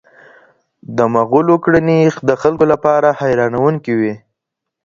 د مغولو کړني د خلکو لپاره حیرانوونکي وي.